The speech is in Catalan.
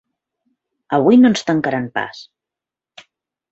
Avui no ens tancaran pas!